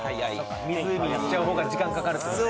そうか湖に行っちゃう方が時間かかるってことね